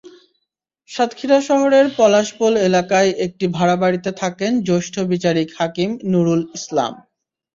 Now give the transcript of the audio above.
সাতক্ষীরা শহরের পলাশপোল এলাকায় একটি ভাড়াবাড়িতে থাকেন জ্যেষ্ঠ বিচারিক হাকিম নূরুল ইসলাম।